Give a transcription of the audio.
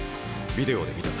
ビデオで見た。